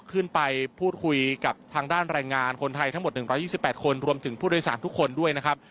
ขึ้นไปพูดคุยกับทางด้านแรงงานคนไทยทั้งหมด๑๒๘คนรวมถึงผู้โดยสารทุกคนด้วยนะครับ